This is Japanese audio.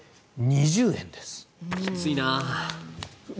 きついなあ。